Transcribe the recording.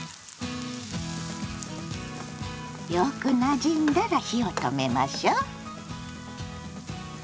よくなじんだら火を止めましょう。